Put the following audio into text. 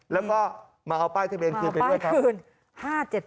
แล้วก็มาเอาป้ายทะเบียนคืนไปด้วยครับ